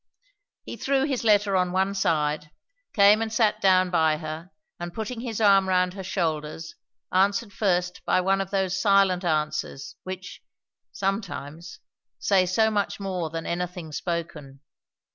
He threw his letter on one side, came and sat down by her, and putting his arm round her shoulders, answered first by one of those silent answers which sometimes say so much more than anything spoken.